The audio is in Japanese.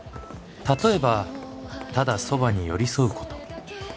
例えばただそばに寄り添うこと。